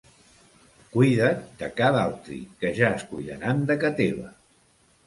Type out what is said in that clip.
Cuida't de ca d'altri, que ja es cuidaran de ca teva.